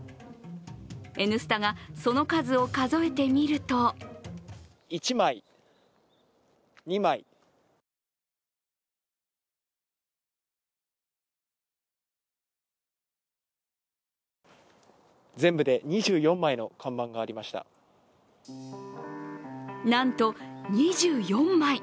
「Ｎスタ」がその数を数えてみると１枚、２枚なんと、２４枚。